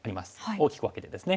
大きく分けてですね。